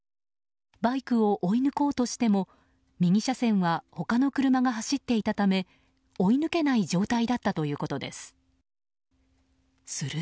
バイクを追い抜こうとしても右車線は他の車が走っていたため追い抜けない状態だったということです。